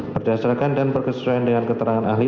berdasarkan dan berkesesuaian dengan keterangan ahli